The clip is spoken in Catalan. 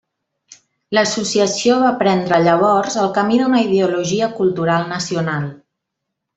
L'associació va prendre llavors el camí d'una ideologia cultural nacional.